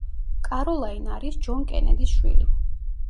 კაროლაინ არის ჯონ კენედის შვილი.